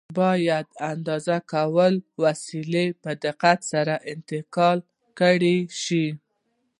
بیا باید د اندازه کولو وسیلې ته په دقت سره انتقال کړای شي.